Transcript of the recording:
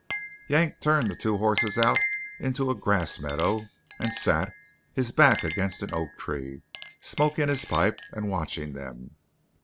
Yank turned the two horses out into a grass meadow, and sat, his back against an oak tree, smoking his pipe and watching them.